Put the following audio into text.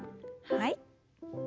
はい。